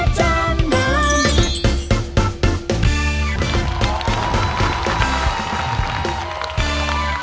โอ้โฮ